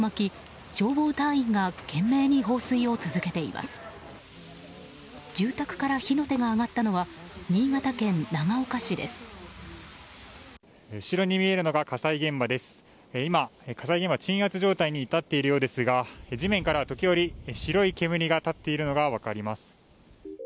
今、火災現場、鎮圧状態に至っているようですが地面からは時折白い煙が立っているのが分かります。